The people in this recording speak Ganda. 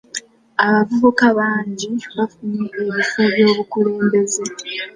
Abavubuka bangi bafunye ebifo by'obukulembeze.